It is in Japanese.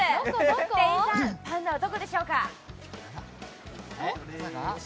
店員さん、パンダはどこでしょうか？